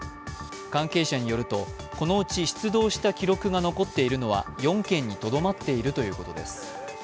関係者によると、このうち出動した記録が残っているのは４件にとどまっているということです。